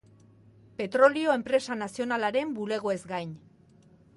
Petrolio Enpresa Nazionalaren bulegoez gain.